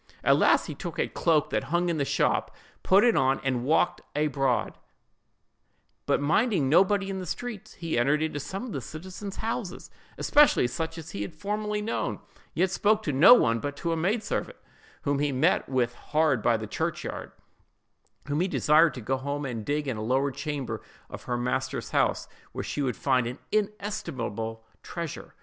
At last he took a cloak that hung in the shop, put it on and walked abroad, but minding nobody in the streets; he entered into some of the citizen's houses, especially such as he had formerly known, yet spoke to no one but to a maid servant, whom he met with hard by the church yard, whom he desired to go home and dig in a lower chamber of her master's house, where she would find an inestimable treasure.